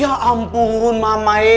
ya ampun mama